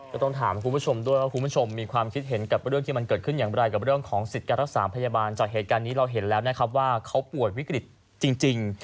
ก็ต้องถามคุณผู้ชมด้วยว่าคุณผู้ชมมีความคิดเห็นกับเรื่องที่มันเกิดขึ้นอย่างไรกับเรื่องของสิทธิ์การรักษาพยาบาลจากเหตุการณ์นี้เราเห็นแล้วนะครับว่าเขาป่วยวิกฤตจริง